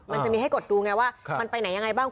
มันจะมีให้กดดูไงว่ามันไปไหนยังไงบ้าง